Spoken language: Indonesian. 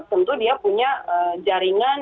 tentu dia punya jaringan